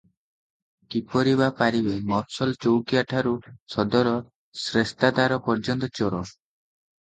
କିପରି ବା ପାରିବେ, ମଫସଲ ଚୌକିଆ ଠାରୁ ସଦର ଶ୍ରେସ୍ତାଦାର ପର୍ଯ୍ୟନ୍ତ ଚୋର ।